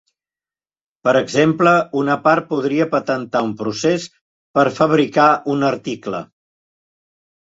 Per exemple, una part podria patentar un procés per fabricar un article.